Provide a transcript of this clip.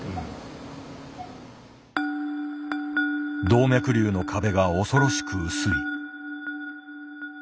動脈瘤の壁が恐ろしく薄い。